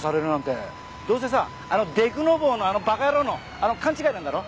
どうせさあのでくの坊のバカ野郎の勘違いなんだろ？